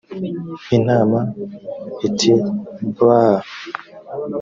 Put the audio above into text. intama iti “baaa”